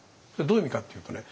どういう意味かっていうとね